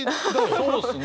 そうですね。